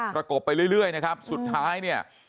ประกบไปเรื่อยนะครับสุดท้ายเนี่ย